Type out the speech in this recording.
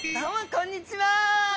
こんにちは。